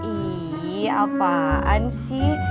iya apaan sih